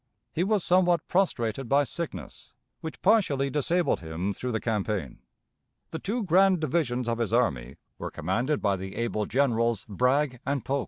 He was somewhat prostrated by sickness, which partially disabled him through the campaign. The two grand divisions of his army were commanded by the able Generals Bragg and Polk.